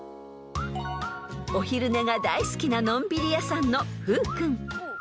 ［お昼寝が大好きなのんびり屋さんの］